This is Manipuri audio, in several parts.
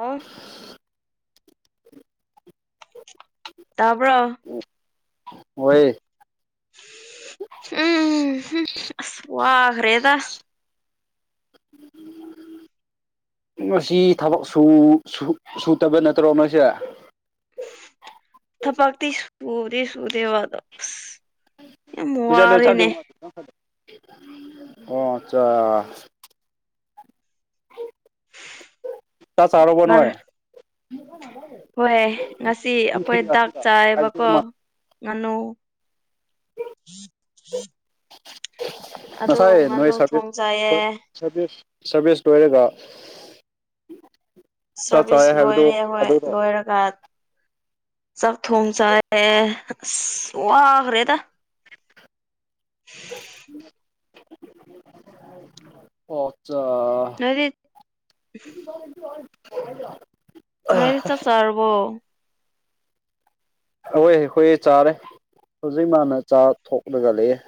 ꯑꯥ ꯇꯕ꯭ꯔꯣ ꯍꯣꯏ ꯌꯦ ꯍꯨꯝ ꯍꯨꯝ ꯑꯁ ꯋꯥꯈ꯭ꯔꯦꯗ ꯉꯁꯤ ꯊꯕꯛ ꯁꯨ ꯁꯨꯇꯕ ꯅꯠꯇ꯭ꯔꯣ ꯅꯣꯏꯁꯦ ꯊꯄꯛꯇꯤ ꯁꯨꯗꯦ ꯁꯨꯗꯦꯕ ꯑꯗꯣ ꯌꯥꯝ ꯋꯥꯔꯦꯅꯦ [unintelligible] ꯆꯥ ꯆꯥꯎꯔꯕꯣ ꯅꯣꯏ ꯍꯣꯏ ꯉꯁꯤ ꯑꯩꯈꯣꯏ ꯗꯥꯛ ꯆꯥꯏꯕꯀꯣ ꯉꯅꯣ ꯑꯗꯨ ꯉꯁꯥꯏ ꯅꯣꯏ ꯉꯥꯅꯨ ꯊꯣꯡ ꯆꯥꯏꯌꯦ ꯁꯥꯔꯚꯤꯁ ꯁꯥꯔꯚꯤꯁ ꯂꯣꯏꯔꯒ ꯆꯥꯛ ꯁꯥꯔꯚꯤꯁ ꯆꯥꯏ ꯍꯥꯏꯕꯗꯣ ꯂꯣꯏꯔꯦ ꯍꯣꯏ ꯑꯗꯨꯔꯣ ꯂꯣꯏꯔꯒ ꯆ ꯊꯣꯡꯁ ꯋꯥꯈꯔꯦꯗ ꯑꯣ ꯑꯆꯥ ꯅꯔꯤꯠ [inaudible] ꯅꯣꯏ ꯆꯥꯛ ꯆꯔꯕꯣ ꯑꯩꯈꯣꯏ ꯍꯈꯣꯏ ꯆꯥꯔꯦ ꯍꯧꯖꯤꯛ ꯃꯥꯅ ꯆꯥ ꯊꯣꯛꯂꯒ ꯂꯩꯑꯦ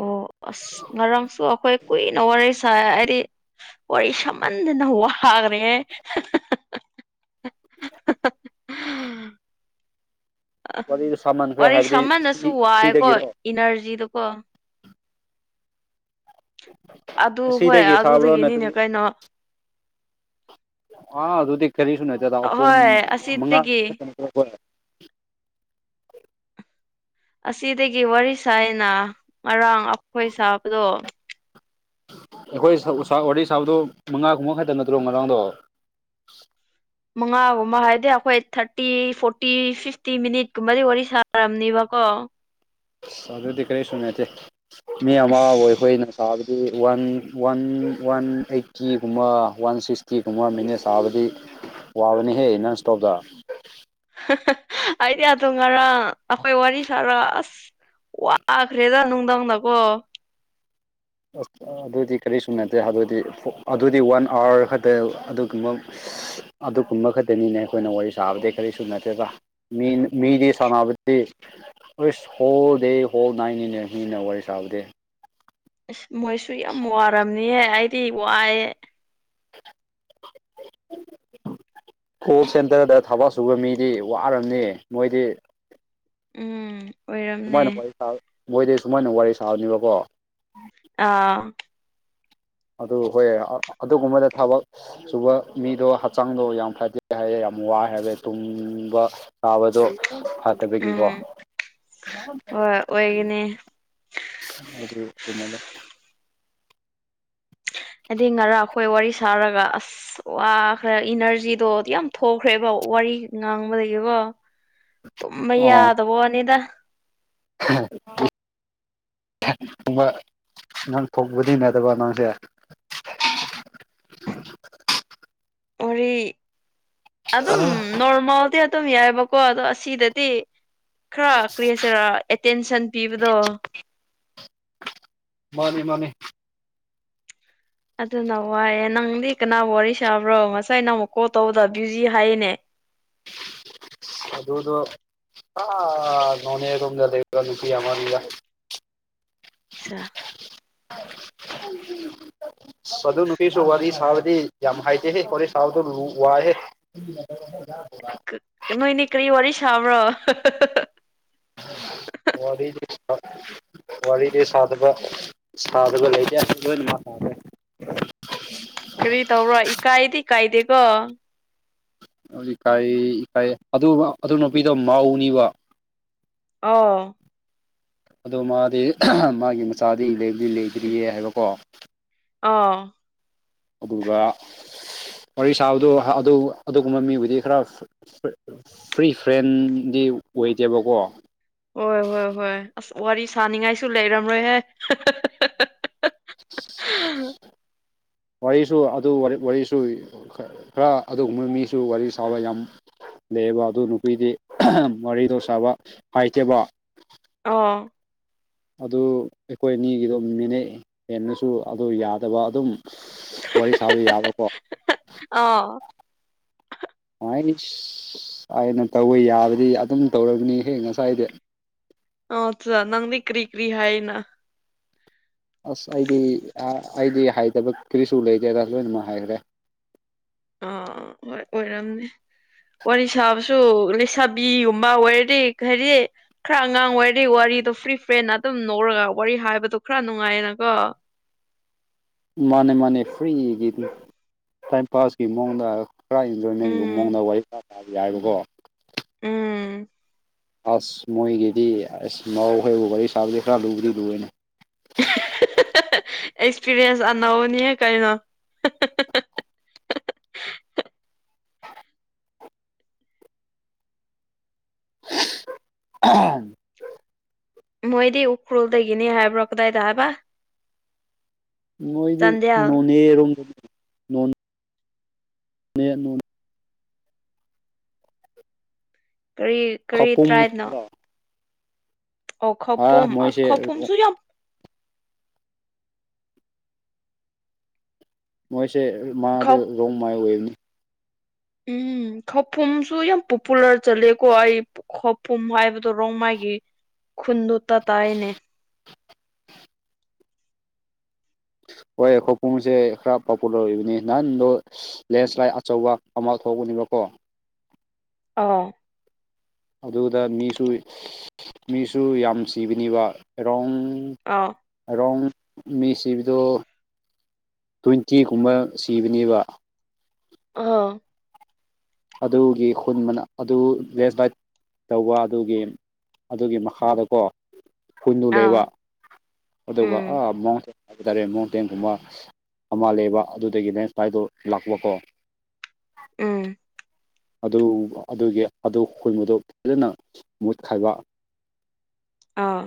ꯑꯣ ꯑꯁ ꯉꯔꯥꯡꯁꯨ ꯑꯩꯈꯣꯏ ꯀꯨꯏꯅ ꯋꯥꯔꯤ ꯁꯥꯏ ꯍꯥꯏꯗꯤ ꯋꯥꯔꯤ ꯁꯝꯃꯟꯗꯅ ꯋꯥꯈꯔꯦ ꯋꯥꯔꯤꯗꯣ ꯁꯥꯃꯟꯈ꯭ꯔꯦ ꯋꯥꯔꯤ ꯍꯥꯏꯕꯗꯤ ꯁꯍꯟꯅꯁꯨ ꯁꯤ ꯋꯥꯏꯦꯀꯣ ꯁꯤꯗꯒꯤꯔꯣ ꯏꯅꯔꯖꯤꯗꯀꯣ ꯑꯗꯨ ꯍꯣꯏ ꯁꯤꯗꯒꯤ ꯁꯥꯕ꯭ꯔꯣ ꯑꯗꯨꯗꯒꯤꯅꯤꯅꯦ ꯅꯠꯇ꯭ꯔꯗꯤ ꯀꯩꯅꯣ ꯑꯥ ꯑꯗꯨꯗꯤ ꯀꯔꯤꯁꯨ ꯅꯠꯇꯗꯥ ꯑꯍꯨꯝ ꯍꯣꯏ ꯃꯉꯥ ꯑꯁꯤꯗꯒꯤ ꯑꯁꯤꯗꯒꯤ ꯋꯥꯔꯤ ꯁꯥꯏꯅ ꯉꯔꯥꯡ ꯑꯩꯈꯣꯏ ꯁꯥꯕꯗꯣ ꯑꯩꯈꯣꯏ ꯎꯁꯥ ꯋꯥꯔꯤ ꯁꯥꯕꯗꯨꯣ ꯃꯉꯥ ꯀꯨꯝꯕ ꯈꯛꯇꯪ ꯅꯠꯇ꯭ꯔꯣ ꯉꯔꯥꯡꯗꯣ ꯃꯉꯥꯒꯨꯝꯕ ꯍꯥꯏꯗꯤ ꯑꯩꯈꯣꯏ ꯊꯥꯔꯇꯤ ꯐꯣꯔꯇꯤ ꯐꯤꯐꯇꯤ ꯃꯤꯅꯤꯠ ꯀꯨꯝꯕꯗꯤ ꯋꯥꯔꯤ ꯁꯥꯔꯝꯅꯤꯕꯀꯣ ꯑꯁ ꯑꯗꯨꯗꯤ ꯀꯔꯤꯁꯨ ꯅꯠꯇꯦ ꯃꯤ ꯑꯁ ꯑꯃꯕꯨ ꯑꯩꯈꯣꯏꯅ ꯇꯥꯕꯗꯤ ꯋꯥꯟ ꯋꯥꯟ ꯋꯥꯟ ꯑꯩꯠꯇꯤꯒꯨꯝꯕ ꯋꯥꯟ ꯁꯤꯛꯁꯇꯤꯒꯨꯝꯕ ꯃꯤꯅꯠ ꯇꯥꯕꯗꯤ ꯋꯥꯕꯅꯤꯍꯦ ꯅꯪ ꯏꯁꯇꯣꯞꯗ ꯑꯩꯗꯤ ꯑꯗꯨ ꯉꯔꯥꯡ ꯑꯩꯈꯣꯏ ꯋꯥꯔꯤ ꯁꯥꯔꯁ ꯋꯥꯈ꯭ꯔꯦꯗ ꯅꯨꯡꯗꯥꯡꯗꯀꯣ ꯑꯁ ꯑꯗꯨꯗꯤ ꯀꯔꯤꯁꯨ ꯅꯠꯇꯦ ꯑꯗꯨꯗꯤ ꯑꯗꯨꯗꯤ ꯋꯥꯟ ꯑꯥꯋꯥꯔ ꯈꯛꯇ ꯑꯗꯨꯒꯨꯝꯕ ꯑꯗꯨꯒꯨꯝꯕ ꯈꯛꯇꯅꯤꯅꯦ ꯑꯩꯈꯣꯏꯅ ꯋꯥꯔꯤ ꯁꯥꯕꯗꯤꯩ ꯀꯔꯤꯁꯨ ꯅꯠꯇꯦꯕ ꯃꯤ ꯃꯤꯗꯤ ꯁꯥꯟꯅꯕꯗꯤ ꯍꯣꯜ ꯗꯦ ꯍꯣꯜ ꯅꯥꯏꯠꯅꯤꯅꯦ ꯃꯤꯅꯥ ꯋꯥꯔꯤ ꯁꯥꯕꯗꯤ ꯑꯁ ꯃꯣꯏꯁꯨ ꯌꯥꯝ ꯋꯥꯔꯝꯅꯤꯍꯦ ꯑꯩꯗꯤ ꯋꯥꯏꯦ [inaudible] ꯀꯣꯜ ꯁꯦꯟꯇꯔꯗ ꯊꯕꯛ ꯁꯨꯕ ꯃꯤꯗꯤ ꯋꯥꯔꯕꯅꯤ ꯃꯣꯏꯗꯤ ꯎꯝ ꯑꯣꯏꯔꯝꯅꯦ ꯁꯨꯃꯥꯏꯅ ꯋꯥꯔꯤ ꯁꯥ ꯃꯣꯏꯗꯤ ꯁꯨꯃꯥꯏꯅ ꯋꯥꯔꯤ ꯁꯥꯕꯅꯦꯕꯀꯣ ꯑꯥ ꯑꯗꯨ ꯍꯣꯏ ꯑꯗꯨꯒꯨꯝꯕꯗ ꯊꯕꯛ ꯁꯨꯕ ꯃꯤꯗꯣ ꯍꯛꯆꯥꯡꯗꯣ ꯌꯥꯝ ꯐꯗꯦ ꯍꯥꯏꯌꯦ ꯌꯥꯝ ꯋꯥꯏ ꯍꯥꯏꯔꯦ ꯇꯨꯡꯕ ꯇꯥꯕꯗꯣ ꯐꯥꯠꯇꯕꯤꯒꯤꯀꯣ ꯎꯝ ꯍꯣꯏ ꯑꯣꯏꯒꯅꯤ [unintelligible] ꯍꯥꯏꯗꯤ ꯉꯔꯥꯡ ꯑꯩꯈꯣꯏ ꯋꯥꯔꯤ ꯁꯥꯔꯒ ꯑꯁ ꯑꯁ ꯋꯥꯈ꯭ꯔꯦ ꯏꯅꯔꯖꯤꯗꯣ ꯌꯥꯝ ꯊꯣꯛꯈ꯭ꯔꯦꯕ ꯋꯥꯔꯤ ꯉꯥꯡꯕꯗꯒꯤꯕꯣ ꯇꯨꯝꯕꯥ ꯌꯥꯗꯕꯥ ꯋꯥꯅꯤꯗ ꯊꯣꯡꯕ ꯅꯪ ꯊꯣꯡꯕꯗꯤ ꯅꯗꯕ ꯅꯪꯁꯦ ꯍꯔꯤ ꯑꯗꯨ ꯑꯗꯨꯝ ꯅꯣꯔꯃꯜꯗꯤ ꯑꯗꯨꯝ ꯌꯥꯏꯕ ꯀꯣ ꯑꯗꯣ ꯑꯁꯤꯗꯗꯤ ꯈꯔ ꯀꯔꯤꯁꯤꯔ ꯑꯦꯇꯦꯟꯁꯟ ꯄꯤꯕꯗꯣ ꯃꯥꯅꯤ ꯃꯥꯅꯤ ꯑꯗꯨꯅ ꯋꯥꯏꯑꯦ ꯅꯪꯗꯤ ꯀꯅꯥꯕꯨ ꯋꯥꯔꯤ ꯁꯥꯕ꯭ꯔꯣ ꯉꯁꯥꯏ ꯅ ꯑꯃꯨꯛ ꯀꯣꯜ ꯇꯧꯕꯗ ꯕ꯭ꯌꯨꯖꯤ ꯍꯥꯏꯌꯦꯅꯦ ꯑꯗꯨꯗꯗ ꯑ ꯅꯣꯅꯦ ꯔꯣꯝꯗ ꯂꯩꯕ ꯅꯨꯄꯤ ꯑꯃꯅꯤꯗ ꯑꯆꯥ ꯁꯗꯨ ꯅꯨꯄꯤꯁꯨꯣꯋꯥꯗꯤ ꯁꯥꯕꯗꯤ ꯌꯥꯝ ꯍꯥꯏꯥꯏꯗꯤ ꯍ ꯐ ꯁꯕ ꯊ ꯂꯨ ꯋꯥ ꯍꯥꯏ [inaudible] ꯅꯣꯏꯅꯦ ꯀꯔꯤ ꯋꯥꯔꯤ ꯁꯥꯕ꯭ꯔꯣ ꯋꯥ [unintelligible] [inaudible] ꯋꯥꯔꯤꯗꯤ ꯁꯥꯠꯒ ꯁꯥꯠꯒ ꯂꯩꯇꯦ ꯃꯥ ꯀꯔꯤ ꯇꯧꯔꯣ ꯏꯀꯥꯏꯗꯤ ꯀꯥꯏꯗꯦꯀꯣ ꯏꯀꯥꯏ ꯏꯀꯥꯏ ꯑꯗꯨ ꯑꯗꯨ ꯅꯨꯄꯤꯗꯣ ꯃꯥꯧꯅꯤꯕ ꯑꯣ ꯑꯗꯣ ꯃꯥꯗꯤ ꯃꯥꯒꯤ ꯃꯆꯥꯗꯤꯗꯤ ꯂꯩꯇ꯭ꯔꯤꯌꯦ ꯍꯥꯏꯕꯀꯣ ꯑ ꯑꯗꯨꯒ ꯋꯥꯔꯤ ꯁꯥꯕꯗꯣ ꯑꯗꯨ ꯑꯗꯨꯒꯨꯝꯕ ꯃꯤꯕꯨꯗꯤ ꯈꯔ ꯐ꯭ꯔꯤ ꯐ꯭ꯔꯦꯟꯗꯤ ꯑꯣꯏꯗꯦꯕꯀꯣ ꯍꯣꯏ ꯍꯣꯏ ꯍꯣꯏ ꯑꯁ ꯋꯥꯔꯤ ꯁꯥꯅꯤꯡꯉꯥꯏꯁꯨ ꯂꯩꯔꯝꯔꯣꯏꯍꯦ [unintelligible] ꯋꯥꯔꯤꯁꯨ ꯑꯗꯨ ꯋꯥꯔꯤꯁꯨ ꯈꯔ ꯑꯗꯨꯒꯨꯝꯕ ꯃꯤꯁꯨ ꯋꯥꯔꯤ ꯁꯥꯕ ꯌꯥꯝ ꯂꯩꯌꯦꯕ ꯑꯗꯨ ꯅꯨꯄꯤꯗꯤ ꯃꯔꯤꯗꯣ ꯁꯥꯕ ꯍꯥꯏꯇꯦꯕ ꯑꯥ ꯑꯗꯨ ꯑꯩꯈꯣꯏ ꯑꯅꯤꯒꯤꯗꯝ ꯃꯤꯅꯩ ꯍꯦꯟꯅꯁꯨ ꯑꯗꯨ ꯌꯥꯗꯕ ꯑꯗꯨꯝ ꯋꯥꯔꯤ ꯁꯥꯕ ꯌꯥꯕꯀꯣ ꯑꯣ ꯁ ꯑꯩꯅ ꯇꯧꯕ ꯌꯥꯕꯗꯤ ꯑꯗꯨꯝ ꯇꯧꯔꯒꯅꯤ ꯍꯦꯛ ꯉꯁꯥꯏꯗꯤ ꯑ ꯆ ꯅꯪꯗꯤ ꯀ꯭ꯔꯤ ꯀ꯭ꯔꯤ ꯍꯥꯏꯅ ꯑꯁ ꯑꯩꯗꯤ ꯑꯩꯗꯤ ꯍꯥꯏꯗꯕ ꯀꯔꯤꯁꯨ ꯂꯩꯇꯦ ꯑꯗ ꯂꯣꯏꯅꯃꯛ ꯍꯥꯏꯈ꯭ꯔꯦ ꯑꯥ ꯍꯣꯏ ꯑꯣꯏꯔꯝꯅꯦ ꯋꯥꯔꯤ ꯁꯥꯕꯁꯨ ꯂꯩꯁꯥꯕꯤꯒꯨꯝꯕ ꯑꯣꯏꯔꯗꯤ ꯈꯔꯤ ꯈꯔ ꯑꯉꯥꯡ ꯑꯣꯏꯔꯤ ꯋꯥꯔꯤꯗꯣ ꯐ꯭ꯔꯤ ꯐ꯭ꯔꯦꯟꯅ ꯑꯗꯨꯝ ꯅꯧꯔꯒ ꯋꯥꯔꯤ ꯍꯥꯏꯕꯗꯣ ꯈꯔ ꯅꯨꯡꯉꯥꯏꯌꯦꯅꯀꯣ ꯃꯥꯅꯦ ꯃꯥꯅꯦ ꯐ꯭ꯔꯤꯒꯤ ꯇꯥꯏꯝ ꯄꯥꯁꯀꯤ ꯃꯑꯣꯡꯗ ꯄꯨꯔ ꯏꯟꯖꯣꯏꯃꯦꯟꯒꯨꯝꯕ ꯎꯝ ꯃꯑꯣꯡꯗ ꯋꯥꯔꯤ ꯇꯥꯕ ꯌꯥꯏꯑꯕꯀꯣ ꯎꯝ ꯑꯁ ꯃꯣꯏꯒꯤꯗꯤ ꯑꯁ ꯃꯥꯎꯈꯩꯕꯨ ꯋꯥꯔꯤ ꯁꯥꯕꯗꯤ ꯈꯔ ꯂꯨꯕꯨꯗꯤ ꯂꯨꯔꯅꯦ ꯑꯦꯛꯁꯄꯤꯔꯤꯌꯦꯟꯁ ꯑꯅꯧꯕꯅꯤꯍ ꯀꯩꯅꯣ ꯑ ꯃꯣꯏꯗꯤ ꯎꯈ꯭ꯔꯨꯜꯗꯗꯒꯤꯅꯤ ꯍꯥꯏꯕ꯭ꯔꯣꯀꯗꯥꯏ ꯊꯗꯥꯕ ꯃꯣꯏꯗꯤ ꯆꯥꯟꯗꯦꯜ ꯅꯣꯅꯦꯔꯣꯨꯝꯝꯒꯅꯤ ꯃ ꯅꯣꯡ ꯀꯔꯤ ꯀꯔꯤ ꯈꯄꯨꯝ ꯇ꯭ꯔꯥꯏꯅꯣ ꯑꯣ ꯑꯥ ꯈꯄꯨꯝ ꯑꯁ ꯃꯣꯏꯁꯦ ꯈꯄꯨꯝꯁꯨ ꯌꯥꯎ ꯃꯣꯏꯁꯦ ꯃꯥꯗ ꯈꯧ ꯔꯣꯡ ꯃꯥꯏ ꯑꯣꯏꯋꯦꯕꯅꯤ ꯎꯝ ꯈꯥꯎꯐꯝꯨꯝꯁꯨ ꯌꯥꯝ ꯄꯣꯄꯨꯂꯔ ꯆꯠꯂꯦꯀꯣ ꯑꯩ ꯈꯣꯄꯨꯝ ꯍꯥꯏꯕꯗꯨ ꯔꯣꯡ ꯃꯥꯒꯤ ꯈꯨꯟꯗꯨꯣ ꯇ ꯇꯥꯏꯅꯦ ꯍꯣꯏ ꯈꯣꯏꯄꯣꯡꯁꯦ ꯈꯔ ꯄꯣꯄꯨꯂꯔ ꯑꯣꯏꯕꯅꯤ ꯅꯍꯥꯟꯗꯣ ꯂꯦꯟꯁ꯭ꯂꯥꯏꯠ ꯑꯆꯧꯕ ꯑꯃ ꯊꯣꯛꯎꯅꯦꯕ ꯀꯣ ꯑꯥ ꯑꯗꯨꯗ ꯃꯤꯁꯨ ꯃꯤꯁꯨ ꯌꯥꯝ ꯁꯤꯕꯅꯤꯕ ꯑꯦꯔꯥꯎꯟ ꯑꯥ ꯑꯔꯥꯎꯟ ꯃꯤ ꯁꯤꯕꯗꯣ ꯇ꯭ꯋꯦꯟꯇꯤꯒꯨꯝꯕ ꯁꯤꯕꯅꯦꯕ ꯑ ꯑꯗꯨꯒꯤ ꯈꯨꯟ ꯃꯅ ꯑꯗꯨ ꯂꯦꯁ ꯥꯏꯠ ꯇꯧꯕ ꯑꯗꯨꯒꯤ ꯑꯗꯨꯒꯤ ꯃꯈꯥꯗꯀꯣ ꯀꯨꯟꯗꯨ ꯑ ꯂꯩꯕ ꯑꯗꯨꯒ ꯎꯝ ꯑꯥ ꯑꯃ ꯍꯥꯏꯕ ꯇꯥꯔꯦ ꯃꯎꯟꯇꯦꯟꯒꯨꯝꯕ ꯑꯃꯂꯕ ꯑꯗꯨꯗꯒꯤ ꯅꯪ ꯁꯥꯏꯗꯣ ꯂꯥꯛꯄꯀꯣ ꯎꯝ ꯑꯗꯨ ꯑꯗꯨꯒꯤ ꯑꯗꯨ ꯈꯣꯏꯕꯗꯨ ꯐꯖꯅ ꯃꯨꯠ ꯈꯥꯏꯕ ꯑꯥ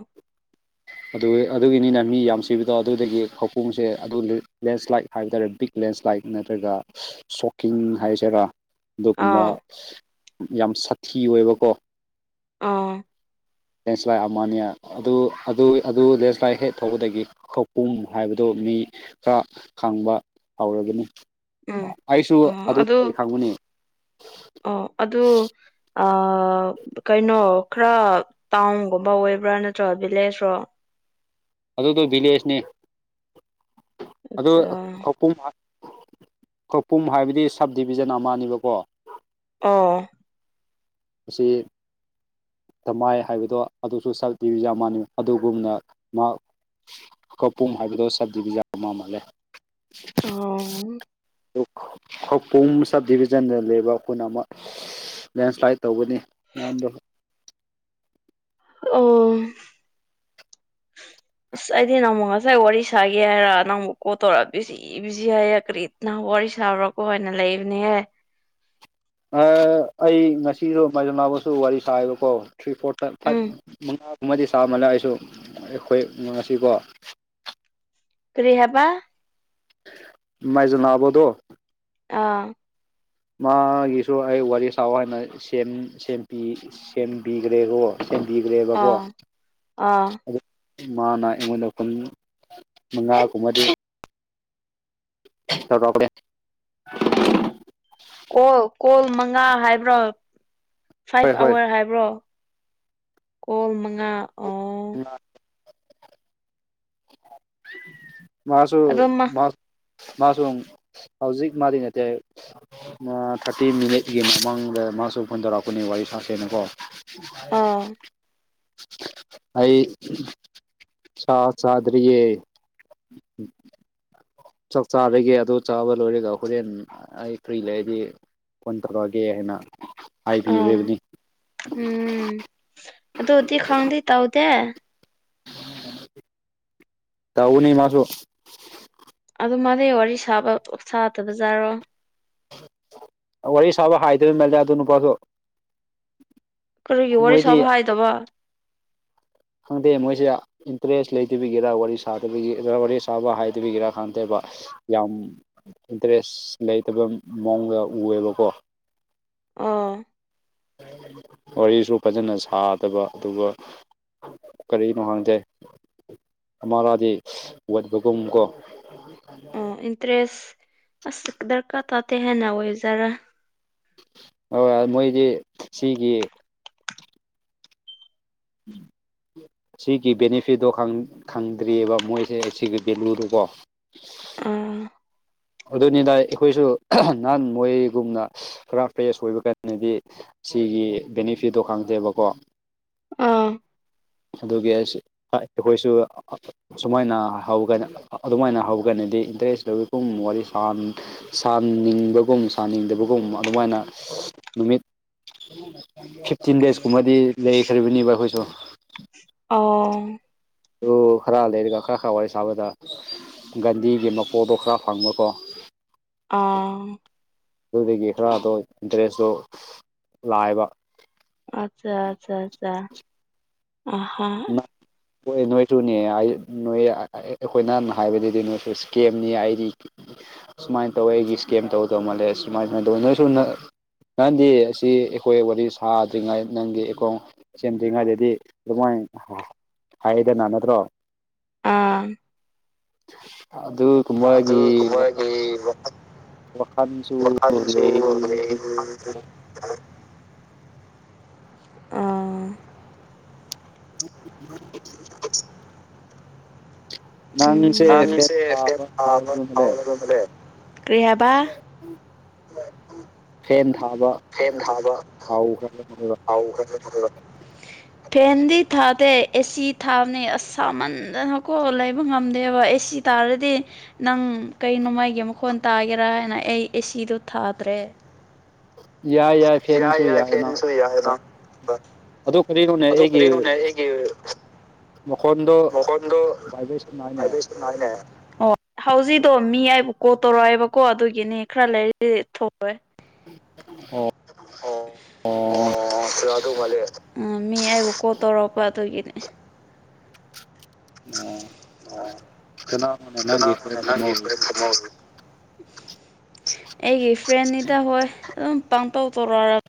ꯑꯗꯨ ꯑꯗꯨꯒꯤꯅꯤꯅ ꯃꯤ ꯌꯥꯝ ꯁꯤꯕꯗꯣ ꯑꯗꯨꯗꯒꯤ ꯍꯧꯀꯣꯡꯁꯦ ꯑꯗꯨ ꯂꯦꯟꯁ꯭ꯂꯥꯏꯠ ꯍꯥꯏꯕ ꯇꯥꯔꯦ ꯕꯤꯛ ꯂꯦꯟꯁ꯭ꯂꯥꯏꯠ ꯅꯠꯇ꯭ꯔꯒ ꯁꯣꯛꯀꯤꯡ ꯍꯥꯏꯁꯤꯔꯥ ꯨꯝꯕ ꯑ ꯌꯥꯝ ꯁꯥꯊꯤ ꯑꯣꯏꯕꯀꯣ ꯑꯥ ꯂꯦꯟꯁ꯭ꯂꯥꯏ ꯑꯃꯅꯤ ꯑꯗꯨ ꯑꯗꯨ ꯑꯗꯨ ꯂꯦꯟꯁ꯭ꯂꯥꯏꯠ ꯍꯦꯛ ꯊꯧꯕꯗꯒꯤ ꯈꯄꯨꯝ ꯍꯥꯏꯕꯗꯨ ꯃꯤ ꯈꯔ ꯈꯪꯕ ꯍꯧꯔꯒꯅꯤ ꯎꯝ ꯑꯩꯁꯨ ꯑ ꯑꯗꯨ ꯑꯗꯨꯒ ꯈꯪꯕꯅꯦ ꯑꯣ ꯑꯗꯨ ꯀꯩꯅꯣ ꯈꯔ ꯇꯥꯎꯟꯒꯨꯝꯕ ꯑꯣꯏꯕ꯭ꯔꯥ ꯅꯠꯇ꯭ꯔꯒ ꯚꯤꯂꯦꯖ ꯔꯣ ꯑꯗꯨꯗꯣ ꯕꯤꯂꯦꯁꯅꯤ ꯑꯗꯨ ꯑꯆꯥ ꯈꯧꯄꯨꯝ ꯍꯥꯏꯕꯗꯤ ꯁꯕ ꯗꯤꯕꯤꯖꯟ ꯑꯃꯅꯦꯕꯀꯣ ꯑꯥ ꯑꯁꯤ ꯗꯃꯥꯏ ꯍꯥꯏꯕꯗꯣ ꯑꯗꯨꯁꯨ ꯁꯄꯤꯌꯨ ꯌꯥꯝ ꯃꯥꯟꯅ ꯑꯗꯨꯒꯨꯝꯅ ꯃꯍꯥꯛ ꯀꯄꯨꯝ ꯍꯥꯏꯕꯗꯣ ꯁꯕ ꯗꯤꯕꯤꯖꯟ ꯃ ꯃꯥꯜꯂꯦ ꯑꯣ ꯑꯗꯨ ꯈꯄꯨꯝ ꯁꯕ ꯗꯤꯕꯤꯖꯟꯗ ꯂꯩꯕ ꯑꯩꯈꯣꯏꯅ ꯑꯃ ꯂꯦꯟꯁ꯭ꯂꯥꯏꯠ ꯇꯧꯕꯅꯤ ꯅꯍꯥꯟꯗꯣ ꯑꯣ ꯑꯁ ꯑꯩꯗꯤ ꯅꯪꯃꯨꯛ ꯉꯁꯥꯏ ꯋꯥꯔꯤ ꯁꯥꯒꯦ ꯍꯥꯏꯔ ꯅꯪ ꯑꯃꯨꯛ ꯀꯣꯜ ꯇꯧꯔꯛꯑꯕꯤꯣꯏꯁꯤ ꯏꯖꯤ ꯍꯥꯏꯏꯌꯦ ꯀꯔꯤꯠꯅ ꯋꯥꯔꯤ ꯁꯥꯕ꯭ꯔꯣꯀꯣ ꯍꯥꯏꯅ ꯂꯩꯕꯅꯦꯍꯦ ꯑꯩ ꯉꯁꯤꯁꯨꯣ ꯃꯥꯏꯖꯣꯂꯕꯁꯨ ꯋꯥꯔꯤ ꯁꯥꯥꯏꯌꯦꯕꯀꯣ ꯊ꯭ꯔꯤ ꯐꯣꯔ ꯎꯝ ꯐꯥꯏꯚ ꯃꯉꯥꯒꯨꯝꯕꯗꯤ ꯆꯥꯕꯅ ꯑꯩꯁꯨ ꯑꯩꯈꯣꯏ ꯉꯉꯁꯤꯀꯣ ꯀꯔꯤꯍꯕ ꯃꯥꯏꯖꯕꯣꯗꯣ ꯑꯥ ꯃꯥꯒꯤꯁꯨ ꯑꯩ ꯋꯥꯔꯤ ꯁ ꯍꯥꯏꯅ ꯁꯦꯝꯕꯤꯈ꯭ꯔꯦꯀꯣ ꯁꯦꯝꯕꯤꯈ꯭ꯔꯦꯕꯀꯣ ꯑꯥ ꯑꯥ ꯑꯗꯨ ꯃꯥꯅ ꯑꯩꯉꯣꯏ ꯂꯧꯈꯨꯟ ꯃꯉꯥꯒꯨꯝꯕꯗꯤ ꯊꯔꯈ ꯀꯣꯜ ꯀꯣꯜ ꯃꯉꯥ ꯍꯥꯏꯕ꯭ꯔꯣ ꯍꯣꯏ ꯐꯥꯏꯚ ꯍꯣꯏ ꯑꯋꯥꯔ ꯍꯥꯏꯕ꯭ꯔꯣ ꯀꯣꯜ ꯃꯉꯥ ꯑ ꯃꯥꯁꯨ ꯑꯗꯨꯃ ꯃꯥꯁꯨ ꯍꯧꯖꯤꯛ ꯃꯥꯗꯤ ꯅꯠꯇꯦ ꯊꯥꯔꯇꯤ ꯃꯤꯅꯤꯠꯀꯤ ꯃꯃꯥꯡꯗ ꯃꯥꯁꯨ ꯐꯣꯏꯗꯔꯛꯄꯅꯤ ꯋꯥꯔꯤ ꯁꯥꯁꯦꯅꯀꯣ ꯍ ꯑꯥ ꯑꯩ ꯆ ꯆꯗꯔꯤꯌꯦ ꯎꯝ ꯆꯥꯛ ꯆꯥꯗꯒꯤꯦ ꯑꯗꯨ ꯆꯥꯕ ꯂꯣꯏꯔꯒ ꯍꯣꯔꯦꯟ ꯑꯩ ꯐ꯭ꯔꯤ ꯂꯩꯗꯤ ꯐꯣꯟ ꯇꯧꯔꯛꯑꯒꯦ ꯍꯥꯏꯅ ꯑꯥ ꯍꯥꯏꯕꯤꯈꯔꯤꯕꯅꯤ ꯎꯝ ꯑꯗꯨꯗꯗꯤ ꯈꯪꯗ ꯇꯥꯎꯗꯦ ꯇ ꯎꯅꯤ ꯃꯥꯁꯨ ꯑꯗꯨ ꯃꯥꯗꯩ ꯋꯥꯔꯤ ꯁꯥꯕ ꯁꯥꯗꯕꯖꯥꯔꯣ ꯋꯥꯔꯤ ꯁꯥꯕ ꯍꯥꯏꯗꯕ ꯃꯜꯂꯦ ꯑꯗꯨ ꯅꯨꯄꯥꯁꯨꯣ ꯀꯔꯤꯒꯤ ꯋꯥꯔꯤ ꯃꯣꯏꯗꯤ ꯁꯥꯕ ꯍꯥꯏꯗꯕ ꯈꯪꯗꯦ ꯃꯣꯏꯁꯦ ꯏꯟꯇꯔꯦꯁ ꯂꯩꯇꯕꯤꯒꯤꯔ ꯋꯥꯔꯤ ꯁꯥꯗꯕꯤꯒꯤꯔ ꯋꯥꯔꯤ ꯁꯥꯕ ꯍꯥꯏꯗꯕꯤꯒꯤꯔꯥ ꯈꯥꯟꯗꯦꯕ ꯌꯥꯝ ꯏꯟꯇꯔꯦꯁ ꯂꯩꯇꯕ ꯃꯑꯣꯡꯗ ꯎꯑꯦꯕꯀꯣ ꯑꯥ ꯋꯥꯔꯤꯁꯨ ꯐꯖꯅ ꯁꯥꯗꯕ ꯑꯗꯨꯒ ꯀꯔꯤꯅꯣ ꯍꯪꯡꯖꯦ ꯑꯔꯥꯗꯤ [unintelligible] ꯀꯨꯨꯝ ꯀꯣ ꯑꯣ ꯏꯟꯇꯔꯦꯁ ꯑꯁ ꯗꯔꯀꯥꯔ ꯇꯥꯗꯦ ꯍꯦꯟꯅ ꯑꯣꯏꯖꯔꯥ ꯍꯣꯏ ꯃꯣꯏꯗꯤ ꯁꯤꯒꯤ [inaudible] ꯁꯤꯒꯤ ꯕꯦꯅꯤꯐꯤꯠꯇꯣ ꯈꯪꯗ꯭ꯔꯤꯑꯕ ꯃꯣꯏꯁꯦ ꯁꯤꯒꯤ ꯚꯦꯂꯨꯗꯨꯀꯣ ꯑꯥ ꯑꯗꯨꯅꯤꯗ ꯑꯩꯈꯣꯏꯁꯨ ꯅꯍꯥꯟ ꯃꯣꯏꯒꯨꯝꯅ ꯄꯨꯔꯥ ꯐ꯭ꯔꯦꯁ ꯑꯣꯏꯕ ꯀꯥꯟꯗꯗꯤ ꯁꯤꯒꯤ ꯕꯦꯅꯤꯐꯤꯠꯇꯣ ꯈꯪꯗꯦꯕꯀꯣ ꯑꯥ ꯑꯗꯨꯒꯤ ꯑꯩꯈꯣꯏꯁꯨ ꯁꯨꯃꯥꯏꯅ ꯍꯧꯒꯥꯏ ꯑꯗꯨꯃꯥꯏꯅ ꯍꯧ ꯀꯥꯏꯅꯗꯤ ꯏꯟꯇꯔꯦꯁ ꯂꯧꯋꯤꯒꯨꯝ ꯋꯥꯔꯤ ꯁꯥꯟ ꯁꯥꯅꯤꯡꯕꯒꯨꯝ ꯁꯥꯅꯤꯡꯗꯕꯒꯨꯝ ꯑꯗꯨꯃꯥꯏꯅ ꯅꯨꯃꯤꯠ ꯐꯤꯐꯇꯤꯟ ꯗꯦꯖꯀꯨꯝꯕꯗꯤ ꯂꯩꯈ꯭ꯔꯔꯤꯕꯅꯦꯕ ꯑꯩꯈꯣꯏꯁꯨ ꯑꯣ ꯑꯗꯨ ꯈꯔ ꯂꯩꯔꯒ ꯈꯔ ꯈꯔ ꯋꯥꯔꯤ ꯁꯥꯕꯗ ꯒꯟꯙꯤꯒꯤ ꯃꯄꯣꯠꯇꯣ ꯈꯔ ꯐꯪꯕꯀꯣ ꯑꯥ ꯑꯗꯨꯗꯒꯤ ꯈꯔꯗꯣ ꯏꯟꯇꯔꯦꯁꯇꯣ ꯂꯥꯏꯕ ꯑꯆꯥ ꯑꯆꯥ ꯑꯆꯥ ꯑꯍ ꯍꯣꯏ ꯅꯣꯏꯁꯨꯅꯦ ꯅꯣꯏ ꯑꯩꯈꯣꯏꯅ ꯍꯥꯏꯕꯗꯨꯗꯤ ꯅꯣꯏꯁꯨ ꯏꯁꯀꯦꯝꯅꯤ ꯑꯩꯗꯤ ꯁꯨꯃꯥꯏꯅ ꯇꯧꯋ ꯑꯩ ꯏꯁꯀꯦꯝ ꯇꯧꯗꯧ ꯃꯥꯜꯂꯦ ꯁꯨꯃꯥꯏ ꯁꯨꯃꯥꯏꯅ ꯇꯧꯋ ꯅꯣꯏ ꯁ ꯅꯪꯗꯤ ꯑꯁꯤ ꯑꯩꯈꯣꯏ ꯋꯥꯔꯤ ꯁꯥꯗ꯭ꯔꯤꯉꯩ ꯅꯪꯒꯤ ꯑꯩꯈꯣꯡ ꯆꯦꯟꯗ꯭ꯔꯤꯉꯩꯗꯗꯤ [unintelligible] ꯏ ꯍꯥꯏꯗꯅ ꯅꯠꯇ꯭ꯔꯣ ꯑꯥ ꯑꯗꯨ ꯑꯗꯨ [unintelligible] ꯋꯥꯈꯜꯁꯨ ꯋꯥꯈꯥꯟꯁꯨ ꯂꯩ ꯂꯩ [unintelligible] ꯑ [inaudible] [inaudible] ꯅꯪꯁꯦ ꯎꯝ ꯐꯦꯟ ꯊꯥꯕ ꯍꯥꯎꯔꯕ ꯃꯥꯜꯂꯦ [unintelligible] ꯀꯔꯤ ꯍꯥꯏꯕ [unintelligible] ꯐꯦꯟ ꯊꯥꯕ ꯐꯦꯟ ꯊꯥꯕ ꯍꯥꯎꯈ꯭ꯔꯕ ꯃꯥꯜꯂꯦꯕ [unintelligible] ꯐꯦꯟꯗꯤ ꯊꯥꯗꯦ ꯑꯦꯁꯤ ꯊꯥꯕꯅꯤ ꯑꯁꯃꯟꯗꯅ ꯀꯣꯑ ꯂꯩꯕ ꯉꯝꯗꯦꯕ ꯑꯦꯁꯤ ꯇꯥꯔꯗꯤ ꯅꯪ ꯀꯩ ꯅꯣꯃꯥꯏꯒꯤ ꯃꯈꯣꯟ ꯇꯥꯒꯦꯔꯥ ꯍꯥꯏꯅ ꯑꯩ ꯑꯦꯁꯤꯗꯣ ꯊꯥꯗ꯭ꯔꯦ ꯌꯥꯏ ꯌꯥꯏ ꯐꯦꯟꯁꯨ ꯌꯥꯏ ꯅꯪ ꯐꯦꯟꯅꯤꯁꯨꯨ ꯌꯥꯏꯅ ꯑꯗꯨ ꯀꯔꯤꯅꯣꯅꯦ ꯑꯗꯨ ꯑꯩꯒꯤ ꯀꯔꯤꯅꯦ ꯑꯩꯒꯤ ꯃꯈꯣꯟꯗꯣ ꯚꯥꯏꯕ꯭ꯔꯦꯁꯟ ꯍꯥꯏꯅꯦ ꯃꯀꯗꯨꯁ [unintelligible] ꯅꯥꯏꯅꯦ ꯑꯣ ꯍꯧꯖꯤꯛꯗꯣ ꯃꯤ ꯑꯩꯕꯨ ꯀꯣꯠ ꯇꯧꯔꯛꯑꯦꯕꯀꯣ ꯑꯗꯨꯒꯤꯅꯤ ꯈꯔ ꯂꯩꯔꯤ ꯑꯣ ꯑꯣ ꯑꯣ [unintelligible] ꯃꯥꯂꯦ ꯃꯤ ꯑꯩꯕꯨ ꯀꯣꯜ ꯇꯧꯔꯛꯄ ꯑꯗꯨꯒꯤꯅꯦ ꯑ ꯀꯅꯥꯅꯣꯅꯦ ꯅꯪꯒꯤ ꯆꯅꯥꯅꯦ ꯐ꯭ꯔꯦꯟ ꯅꯪꯒꯤ ꯊꯝꯍꯧꯔꯤ [unintelligible] ꯑꯩꯒꯤ ꯐ꯭ꯔꯦꯟꯅꯤꯗ ꯍꯣꯏ ꯑꯗꯨꯝ ꯄꯥꯡꯄꯧ ꯇꯧꯔꯛꯔꯕ